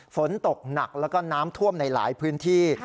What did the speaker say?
ฝนตกหนักแล้วก็น้ำท่วมในหลายพื้นที่